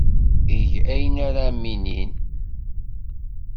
Eg ayen ara am-inin.